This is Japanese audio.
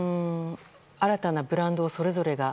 新たなブランドをそれぞれが。